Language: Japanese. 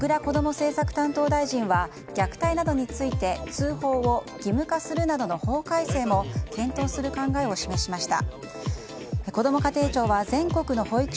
政策担当大臣は虐待などについて通報を義務化するなどの法改正も検討する考えを示しました。